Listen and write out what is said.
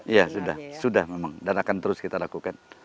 iya sudah sudah memang dan akan terus kita lakukan